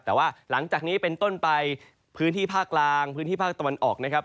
แต่ว่าหลังจากนี้เป็นต้นไปพื้นที่ภาคกลางพื้นที่ภาคตะวันออกนะครับ